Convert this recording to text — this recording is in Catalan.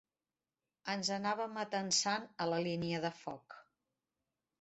Ens anàvem atansant a la línia de foc